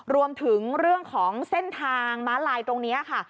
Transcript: รวมถึงเรื่องของเส้นทางม้าลายตรงนี้ค่ะ